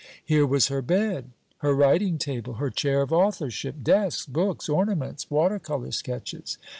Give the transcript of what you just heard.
Here was her bed, her writing table, her chair of authorship, desks, books, ornaments, water colour sketches.